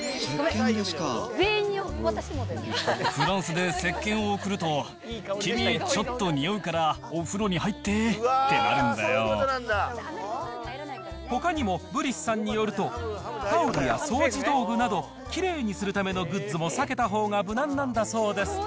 フランスでせっけんを贈ると、君、ちょっとにおうから、お風呂にほかにもブリスさんによると、タオルや掃除道具など、きれいにするためのグッズも避けたほうが無難なんだそうです。